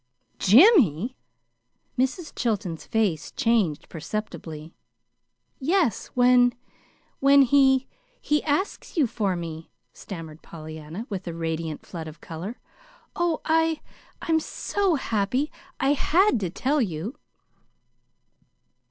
"Jimmy!" Mrs. Chilton's face changed perceptibly. "Yes, when when he he asks you for me," stammered Pollyanna, with a radiant flood of color. "Oh, I I'm so happy, I HAD to tell you!"